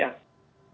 dan saya menduganya